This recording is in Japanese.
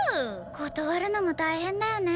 断るのも大変だよね。